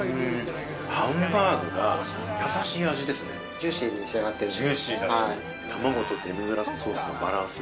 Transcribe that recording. ジューシーに仕上がっています。